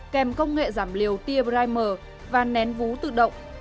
kèm công nghệ giảm liều tia primer và nén vú tự động